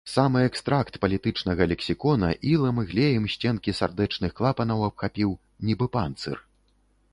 Самы экстракт палітычнага лексікона ілам і глеем сценкі сардэчных клапанаў абхапіў, нібы панцыр.